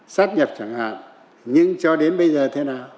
sát nhập chẳng hạn nhưng cho đến bây giờ thế nào